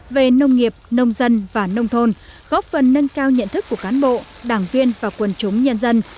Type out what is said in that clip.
về nông nghiệp nông dân và nông thôn góp phần nâng cao nhận thức của cán bộ đảng viên và quần chúng nhân dân